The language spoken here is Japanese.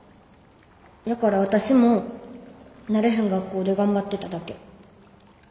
だから私も慣れへん学校で頑張ってただけ。